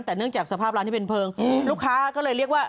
แต่เนื่องจากสภาพร้านนี้เป็นเพลิงลูกค้าก็เลยเรียกว่า